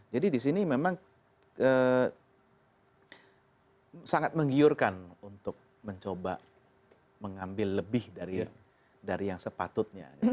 jadi disini memang sangat menghiurkan untuk mencoba mengambil lebih dari yang sepatutnya